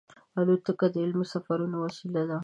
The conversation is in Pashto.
الوتکه د علمي سفرونو وسیله ده.